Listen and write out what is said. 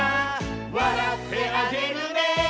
「わらってあげるね」